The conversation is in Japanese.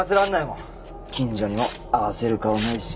近所にも合わせる顔ないし。